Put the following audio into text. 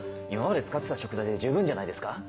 今まで使ってた食材で十分じゃないですか？